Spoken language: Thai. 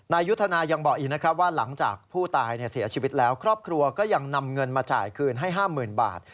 ยุทธนายังบอกอีกนะครับว่าหลังจากผู้ตายเสียชีวิตแล้วครอบครัวก็ยังนำเงินมาจ่ายคืนให้๕๐๐๐บาท